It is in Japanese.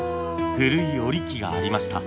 古い織り機がありました。